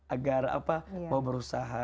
agar mau berusaha